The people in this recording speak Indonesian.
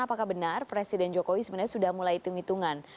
apakah benar presiden jokowi sebenarnya sudah mulai hitung hitungan